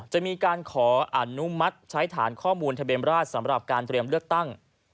จะมีการขออนุมัติใช้ฐานข้อมูลทะเบียนราชสำหรับการเตรียมเลือกตั้ง